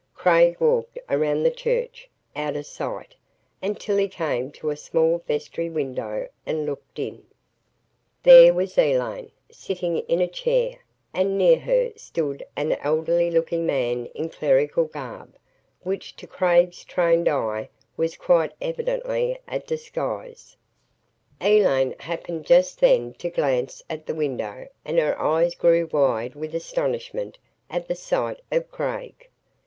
Craig walked around the church, out of sight, until he came to a small vestry window and looked in. There was Elaine, sitting in a chair, and near her stood an elderly looking man in clerical garb, which to Craig's trained eye was quite evidently a disguise. Elaine happened just then to glance at the window and her eyes grew wide with astonishment at the sight of Craig.